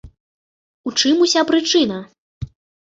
У чым уся прычына?